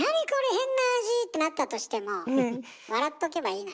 変な味！ってなったとしても笑っとけばいいかな。